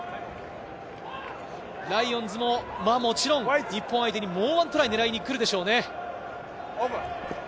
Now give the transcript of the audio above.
ライオンズも、もちろん日本相手に、もう１トライ狙いに来るでしょうね。